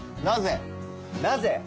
「なぜ」？